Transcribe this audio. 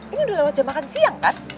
ini udah lewat jam makan siang kan